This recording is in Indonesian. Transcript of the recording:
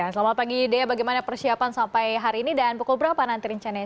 selamat pagi dea bagaimana persiapan sampai hari ini dan pukul berapa nanti rencananya